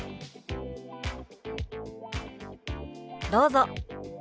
どうぞ。